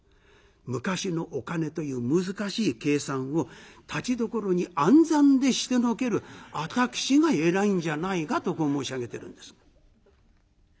昔のお金という難しい計算をたちどころに暗算でしてのける私がえらいんじゃないかとこう申し上げてるんです。